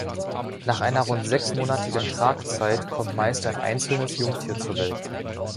Nach einer rund sechsmonatigen Tragzeit kommt meist ein einzelnes Jungtier zur Welt.